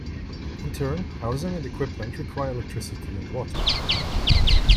In turn, housing and equipment require electricity and water.